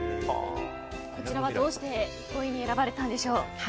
こちらはどうして５位に選ばれたんでしょう。